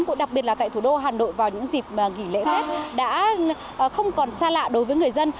cũng đặc biệt là tại thủ đô hà nội vào những dịp nghỉ lễ tết đã không còn xa lạ đối với người dân